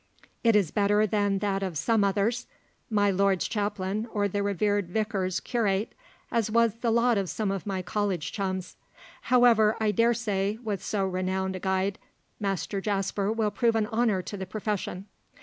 It is better than that of some others, my lord's chaplain, or the reverend vicar's curate, as was the lot of some of my college chums; however, I dare say, with so renowned a guide, Master Jasper will prove an honour to the profession.